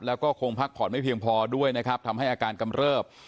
แล้วก็คงพักผ่อนไม่เพียงพอด้วยนะครับทำให้อาการกำเริบ